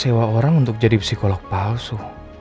sewa orang untuk jadi psikolog palsu